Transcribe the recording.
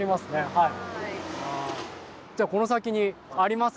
はい。